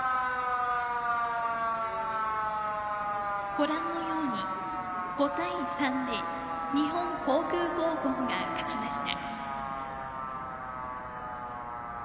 ご覧のように５対３で日本航空高校が勝ちました。